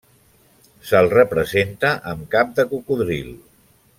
Se'l representa amb cap de cocodril.